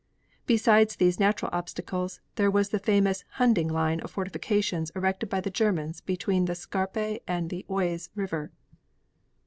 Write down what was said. Besides these natural obstacles, there was the famous Hunding line of fortifications erected by the Germans between the Scarpe and the Oise River.